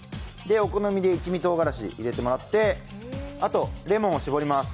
お好みで一味トウガラシを入れてもらって、レモンを絞ります。